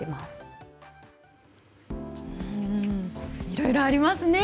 いろいろありますね。